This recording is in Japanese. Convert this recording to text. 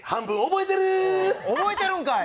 覚えてるんかい！